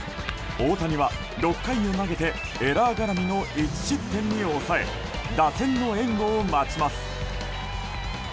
大谷は６回を投げてエラー絡みの１失点に抑え打線の援護を待ちます。